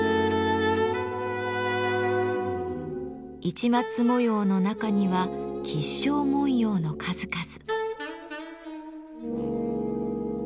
市松模様の中には吉祥文様の数々。